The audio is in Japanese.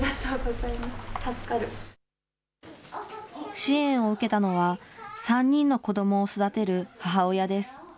支援を受けたのは、３人の子どもを育てる母親です。